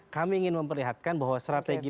kami ingin memperlihatkan bahwa strategi